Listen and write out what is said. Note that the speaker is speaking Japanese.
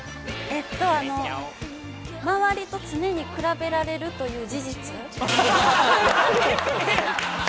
周りと常に比べられるという事実。